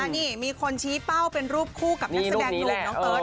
นี่มีคนชี้เป้าเป็นรูปคู่กับนักแสดงหนุ่มน้องเติร์ท